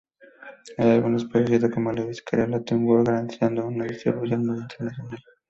El álbum es producido con la disquera Latin World, garantizando una distribución más internacional.